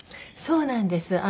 そうなんです。